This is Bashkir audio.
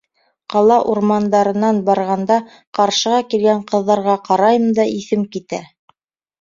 Ҡала урамдарынан барғанда, ҡаршыға килгән ҡыҙҙарға ҡарайым да иҫем китә.